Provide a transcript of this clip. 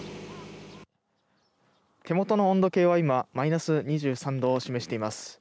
手元の温度計は今マイナス２３度を示しています。